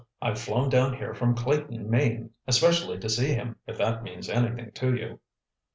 "I've flown down here from Clayton, Maine, especially to see him if that means anything to you."